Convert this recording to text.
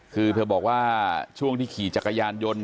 คือเธอบอกว่าช่วงที่ขี่จักรยานยนต์